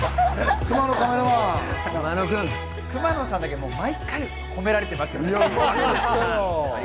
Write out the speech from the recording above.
熊野さんだけ毎回褒められてますね。